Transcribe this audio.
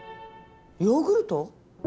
ヨーグルト？